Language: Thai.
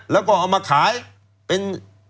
แล้วก็เอามาขายเป็น